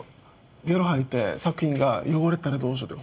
ゲロ吐いて作品が汚れたらどうしようって。